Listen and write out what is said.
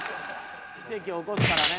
「奇跡を起こすからね」